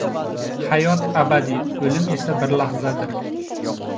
Hayot — abadiy, o‘lim esa bir lahzadir.